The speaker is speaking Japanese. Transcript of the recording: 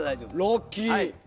ラッキー！